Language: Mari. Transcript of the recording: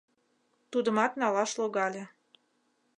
Тудымат налаш логале.